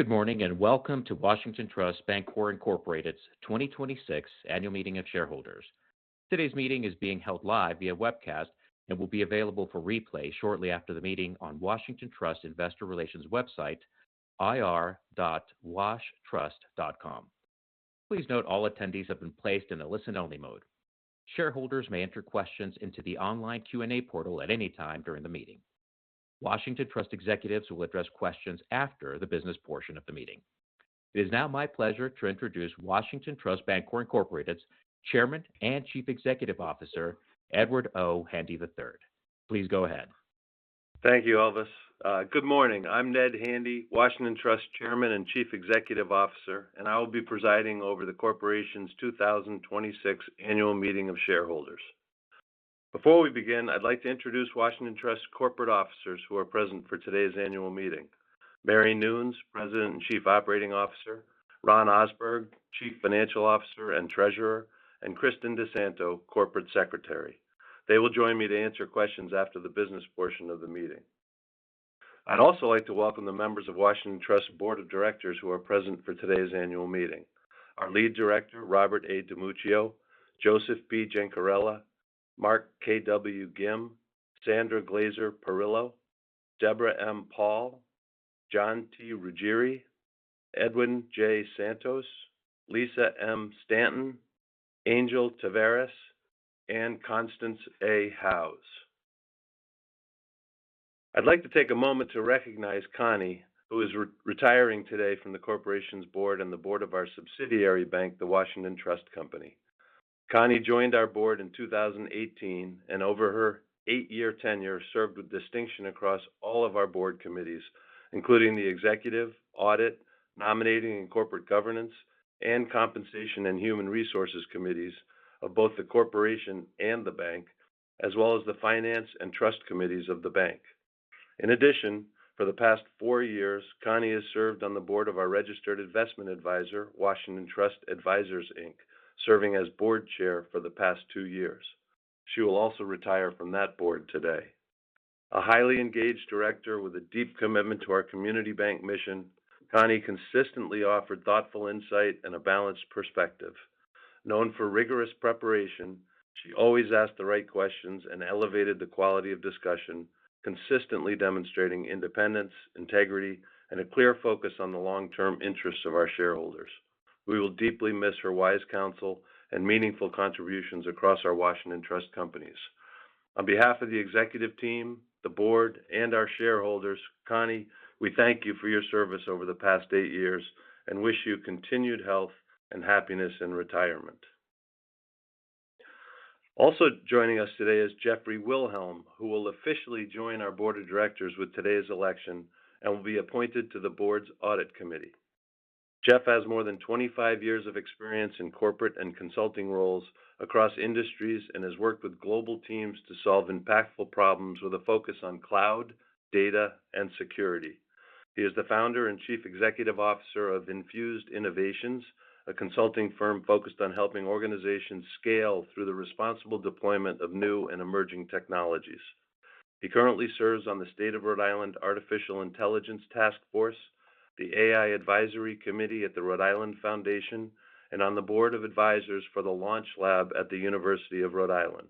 Good morning, and welcome to Washington Trust Bancorp, Inc.'s 2026 Annual Meeting of Shareholders. Today's meeting is being held live via webcast and will be available for replay shortly after the meeting on Washington Trust investor relations website, ir.washtrust.com. Please note all attendees have been placed in a listen-only mode. Shareholders may enter questions into the online Q&A portal at any time during the meeting. Washington Trust executives will address questions after the business portion of the meeting. It is now my pleasure to introduce Washington Trust Bancorp, Inc.'s Chairman and Chief Executive Officer, Edward O. Handy III. Please go ahead. Thank you, Elvis. Good morning. I'm Ned Handy, Washington Trust Chairman and Chief Executive Officer, and I will be presiding over the corporation's 2026 Annual Meeting of Shareholders. Before we begin, I'd like to introduce Washington Trust corporate officers who are present for today's annual meeting. Mary Noons, President and Chief Operating Officer, Ronald Ohsberg, Chief Financial Officer and Treasurer, and Kristen DiSanto, Corporate Secretary. They will join me to answer questions after the business portion of the meeting. I'd also like to welcome the members of Washington Trust Board of Directors who are present for today's annual meeting. Our Lead Director, Robert A. DiMuccio, Joseph P. Gencarella, Mark K.W. Gim, Sandra Glaser Parrillo, Debra M. Paul, John T. Ruggieri, Edwin J. Santos, Lisa M. Stanton, Angel Taveras, and Constance A. Howes. I'd like to take a moment to recognize Connie, who is re-retiring today from the corporation's board and the board of our subsidiary bank, The Washington Trust Company. Connie joined our board in 2018, and over her eight-year tenure, served with distinction across all of our board committees, including the Executive, Audit, Nominating and Corporate Governance, and Compensation and Human Resources Committees of both the corporation and the bank, as well as the Finance and Trust Committees of the bank. In addition, for the past four years, Connie has served on the board of our registered investment advisor, Washington Trust Advisors, Inc., serving as board chair for the past two years. She will also retire from that board today. A highly engaged director with a deep commitment to our community bank mission, Connie consistently offered thoughtful insight and a balanced perspective. Known for rigorous preparation, she always asked the right questions and elevated the quality of discussion, consistently demonstrating independence, integrity, and a clear focus on the long-term interests of our shareholders. We will deeply miss her wise counsel and meaningful contributions across our Washington Trust companies. On behalf of the executive team, the board, and our shareholders, Connie, we thank you for your service over the past eight years and wish you continued health and happiness in retirement. Also joining us today is Jeffrey Wilhelm, who will officially join our board of directors with today's election and will be appointed to the board's audit committee. Jeff has more than 25 years of experience in corporate and consulting roles across industries and has worked with global teams to solve impactful problems with a focus on cloud, data, and security. He is the founder and Chief Executive Officer of Infused Innovations, a consulting firm focused on helping organizations scale through the responsible deployment of new and emerging technologies. He currently serves on the State of Rhode Island Artificial Intelligence Task Force, the AI Advisory Committee at the Rhode Island Foundation, and on the board of advisors for the Launch Lab at the University of Rhode Island.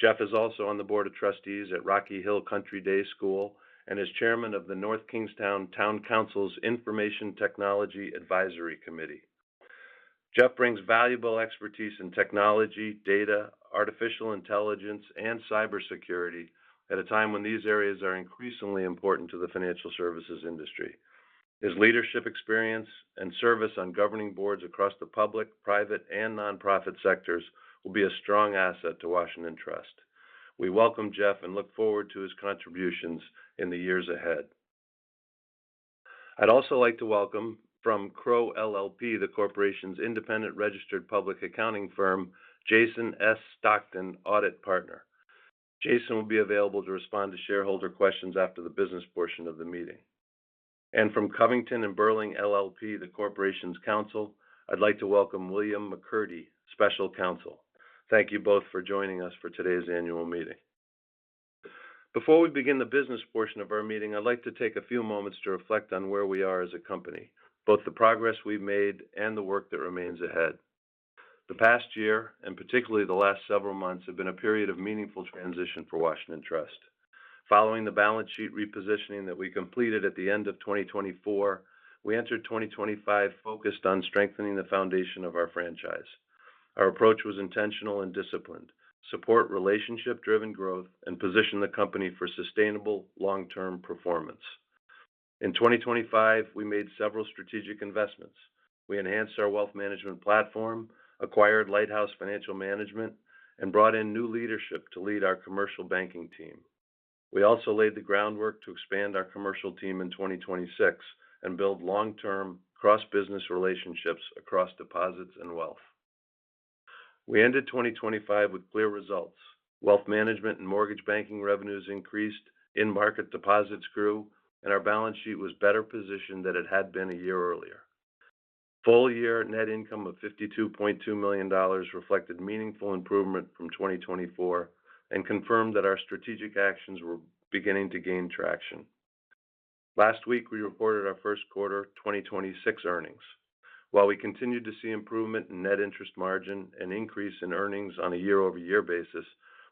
Jeff is also on the board of trustees at Rocky Hill Country Day School and is chairman of the North Kingstown Town Council's Information Technology Advisory Committee. Jeff brings valuable expertise in technology, data, artificial intelligence, and cybersecurity at a time when these areas are increasingly important to the financial services industry. His leadership experience and service on governing boards across the public, private, and nonprofit sectors will be a strong asset to Washington Trust. We welcome Jeff and look forward to his contributions in the years ahead. I'd also like to welcome from Crowe LLP, the corporation's independent registered public accounting firm, Jason S. Stockton, audit partner. Jason will be available to respond to shareholder questions after the business portion of the meeting. From Covington & Burling LLP, the corporation's counsel, I'd like to welcome William McCurdy, special counsel. Thank you both for joining us for today's annual meeting. Before we begin the business portion of our meeting, I'd like to take a few moments to reflect on where we are as a company, both the progress we've made and the work that remains ahead. The past year, and particularly the last several months, have been a period of meaningful transition for Washington Trust. Following the balance sheet repositioning that we completed at the end of 2024, we entered 2025 focused on strengthening the foundation of our franchise. Our approach was intentional and disciplined, support relationship-driven growth, and position the company for sustainable long-term performance. In 2025, we made several strategic investments. We enhanced our wealth management platform, acquired Lighthouse Financial Management, and brought in new leadership to lead our commercial banking team. We also laid the groundwork to expand our commercial team in 2026 and build long-term cross-business relationships across deposits and wealth. We ended 2025 with clear results. Wealth management and mortgage banking revenues increased, in-market deposits grew, and our balance sheet was better positioned than it had been a year earlier. Full-year net income of $52.2 million reflected meaningful improvement from 2024 and confirmed that our strategic actions were beginning to gain traction. Last week, we reported our first quarter 2026 earnings. While we continued to see improvement in net interest margin and increase in earnings on a year-over-year basis,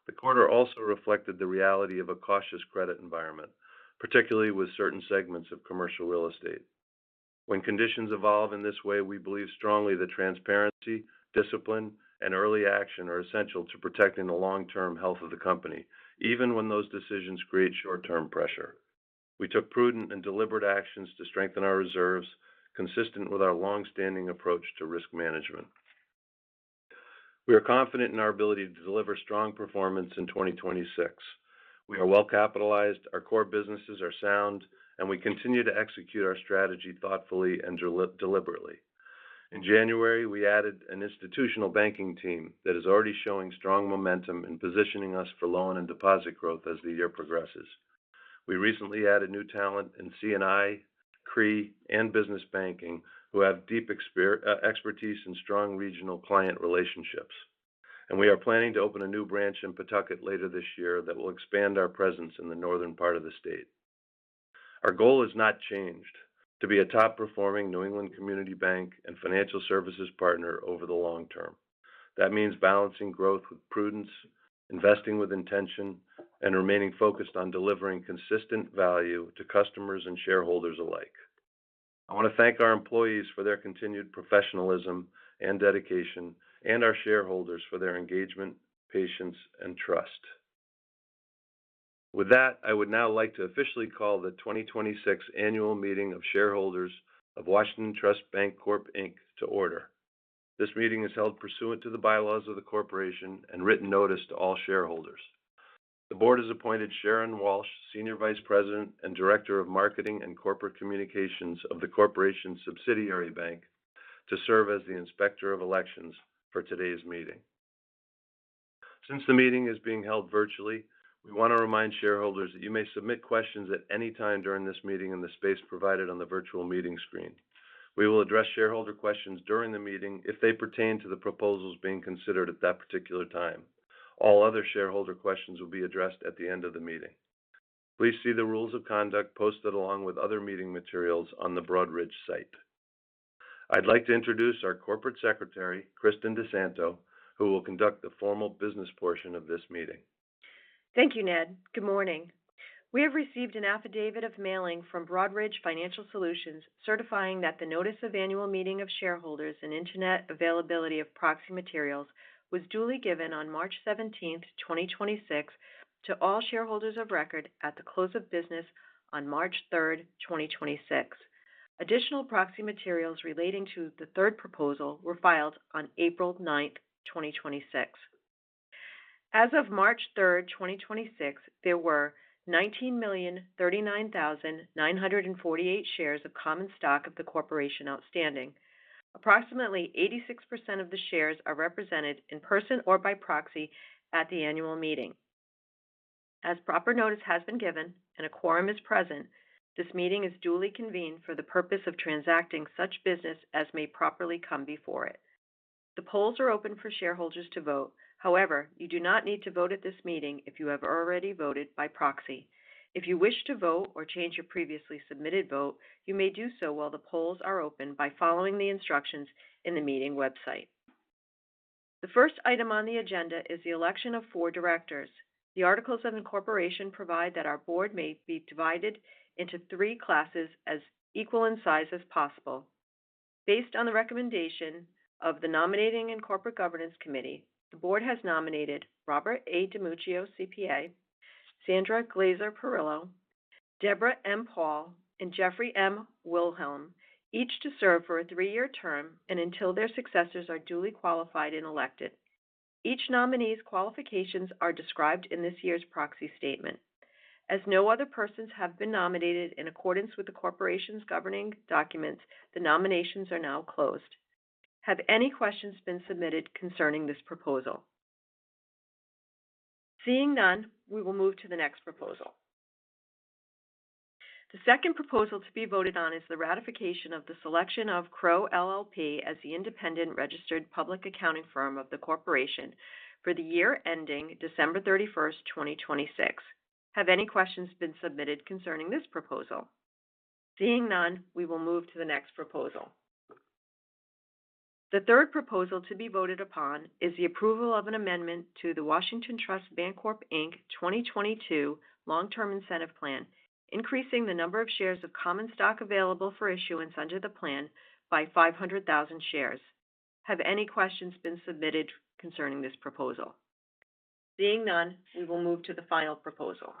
the quarter also reflected the reality of a cautious credit environment, particularly with certain segments of commercial real estate. When conditions evolve in this way, we believe strongly that transparency, discipline, and early action are essential to protecting the long-term health of the company, even when those decisions create short-term pressure. We took prudent and deliberate actions to strengthen our reserves consistent with our long-standing approach to risk management. We are confident in our ability to deliver strong performance in 2026. We are well capitalized, our core businesses are sound. We continue to execute our strategy thoughtfully and deliberately. In January, we added an institutional banking team that is already showing strong momentum and positioning us for loan and deposit growth as the year progresses. We recently added new talent in C&I, CRE, and business banking who have deep expertise and strong regional client relationships. We are planning to open a new branch in Pawtucket later this year that will expand our presence in the northern part of the state. Our goal has not changed: to be a top-performing New England community bank and financial services partner over the long term. That means balancing growth with prudence, investing with intention, and remaining focused on delivering consistent value to customers and shareholders alike. I want to thank our employees for their continued professionalism and dedication and our shareholders for their engagement, patience, and trust. With that, I would now like to officially call the 2026 Annual Meeting of Shareholders of Washington Trust Bancorp, Inc. to order. This meeting is held pursuant to the bylaws of the corporation and written notice to all shareholders. The Board has appointed Sharon Walsh, Senior Vice President and Director of Marketing and Corporate Communications of the corporation subsidiary bank, to serve as the Inspector of Elections for today's meeting. Since the meeting is being held virtually, we want to remind shareholders that you may submit questions at any time during this meeting in the space provided on the virtual meeting screen. We will address shareholder questions during the meeting if they pertain to the proposals being considered at that particular time. All other shareholder questions will be addressed at the end of the meeting. Please see the rules of conduct posted along with other meeting materials on the Broadridge site. I'd like to introduce our Corporate Secretary, Kristen DiSanto, who will conduct the formal business portion of this meeting. Thank you, Ned. Good morning. We have received an affidavit of mailing from Broadridge Financial Solutions certifying that the Notice of Annual Meeting of Shareholders and Internet Availability of Proxy Materials was duly given on March 17, 2026 to all shareholders of record at the close of business on March 3, 2026. Additional proxy materials relating to the third proposal were filed on April 9, 2026. As of March 3, 2026, there were 19,039,948 shares of common stock of the corporation outstanding. Approximately 86% of the shares are represented in person or by proxy at the annual meeting. As proper notice has been given and a quorum is present, this meeting is duly convened for the purpose of transacting such business as may properly come before it. The polls are open for shareholders to vote. However, you do not need to vote at this meeting if you have already voted by proxy. If you wish to vote or change your previously submitted vote, you may do so while the polls are open by following the instructions in the meeting website. The first item on the agenda is the election of four directors. The articles of incorporation provide that our board may be divided into three classes as equal in size as possible. Based on the recommendation of the Nominating and Corporate Governance Committee, the board has nominated Robert A. DiMuccio, CPA, Sandra Glaser Parrillo, Debra M. Paul, and Jeffrey M. Wilhelm, each to serve for a three-year term and until their successors are duly qualified and elected. Each nominee's qualifications are described in this year's proxy statement. As no other persons have been nominated in accordance with the corporation's governing documents, the nominations are now closed. Have any questions been submitted concerning this proposal? Seeing none, we will move to the next proposal. The second proposal to be voted on is the ratification of the selection of Crowe LLP as the independent registered public accounting firm of the corporation for the year ending December 31st, 2026. Have any questions been submitted concerning this proposal? Seeing none, we will move to the next proposal. The third proposal to be voted upon is the approval of an amendment to the Washington Trust Bancorp, Inc. 2022 Long-Term Incentive Plan, increasing the number of shares of common stock available for issuance under the plan by 500,000 shares. Have any questions been submitted concerning this proposal? Seeing none, we will move to the final proposal.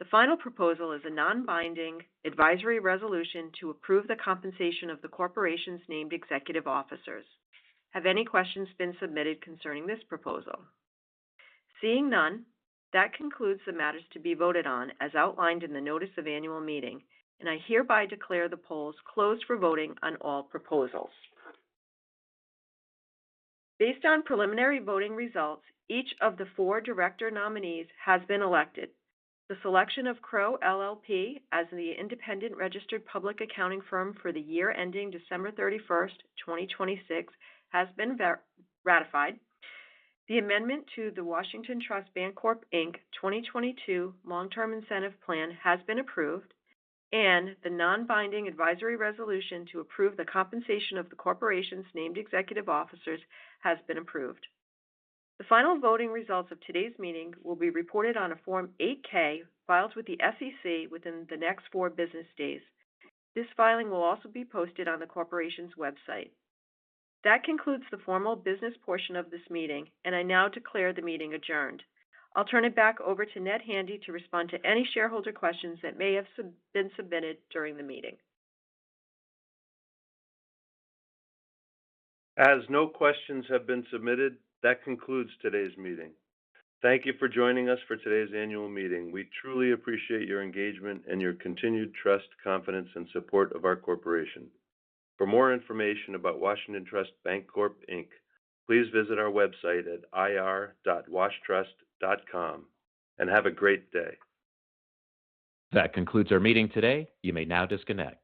The final proposal is a non-binding advisory resolution to approve the compensation of the corporation's named executive officers. Have any questions been submitted concerning this proposal? Seeing none, that concludes the matters to be voted on as outlined in the Notice of Annual Meeting, and I hereby declare the polls closed for voting on all proposals. Based on preliminary voting results, each of the four director nominees has been elected. The selection of Crowe LLP as the independent registered public accounting firm for the year ending December 31, 2026 has been ratified. The amendment to the Washington Trust Bancorp, Inc. 2022 Long-Term Incentive Plan has been approved, and the non-binding advisory resolution to approve the compensation of the corporation's named executive officers has been approved. The final voting results of today's meeting will be reported on a Form 8-K filed with the SEC within the next four business days. This filing will also be posted on the corporation's website. That concludes the formal business portion of this meeting, and I now declare the meeting adjourned. I'll turn it back over to Ned Handy to respond to any shareholder questions that may have been submitted during the meeting. As no questions have been submitted, that concludes today's meeting. Thank you for joining us for today's annual meeting. We truly appreciate your engagement and your continued trust, confidence, and support of our corporation. For more information about Washington Trust Bancorp, Inc., please visit our website at ir.washtrust.com, and have a great day. That concludes our meeting today. You may now disconnect.